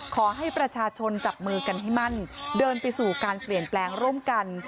ขอให้ประชาชนจับมือกันให้มั่นเดินไปสู่การเปลี่ยนแปลงร่วมกัน